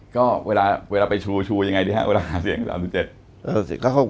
ก็เวลาไปชูว่าจะการหาเสียง๓๗